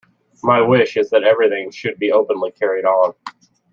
My wish is that everything should be openly carried on.